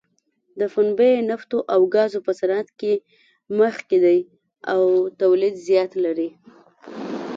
د پنبې، نفتو او ګازو په صنعت کې مخکې دی او تولید زیات لري.